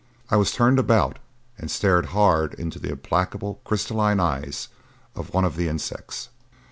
I was turned about and stared hard into the implacable crystalline eyes of one of the insects.